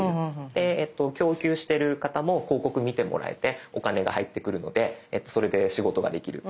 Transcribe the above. で供給してる方も広告見てもらえてお金が入ってくるのでそれで仕事ができる。